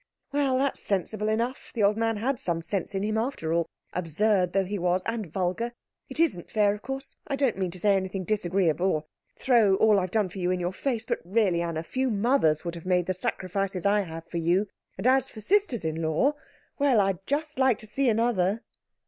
"Well, that's sensible enough. The old man had some sense in him after all, absurd though he was, and vulgar. It isn't fair, of course. I don't mean to say anything disagreeable, or throw all I have done for you in your face, but really, Anna, few mothers would have made the sacrifices I have for you, and as for sisters in law well, I'd just like to see another."